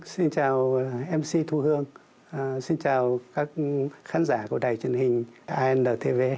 xin chào mc thu hương xin chào các khán giả của đài truyền hình antv